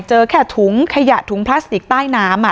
เจอแค่ถุงขยะถุงพลาสติกใต้น้ำ